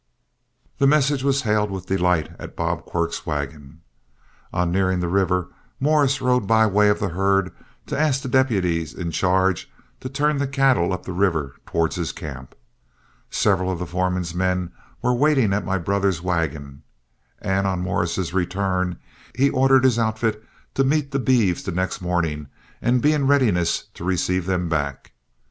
The message was hailed with delight at Bob Quirk's wagon. On nearing the river, Morris rode by way of the herd to ask the deputies in charge to turn the cattle up the river towards his camp. Several of the foreman's men were waiting at my brother's wagon, and on Morris's return he ordered his outfit to meet the beeves the next morning and be in readiness to receive them back.